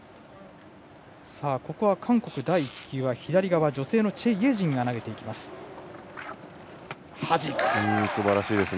ここは韓国の第１球は左側、女性のチェ・イェジンが投げていきます。